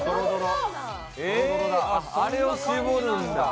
あれを搾るんだ。